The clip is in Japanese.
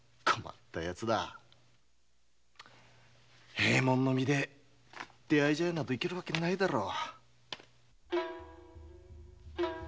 閉門の身で出合い茶屋へ行ける訳がないだろう。